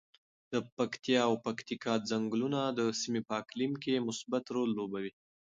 د پکتیا او پکتیکا ځنګلونه د سیمې په اقلیم کې مثبت رول لوبوي.